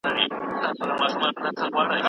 د سياسي آند لرغونتوب د بشر تاريخ ته رسيږي.